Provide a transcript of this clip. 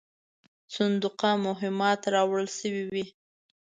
صندوقه مهمات راوړل سوي وې.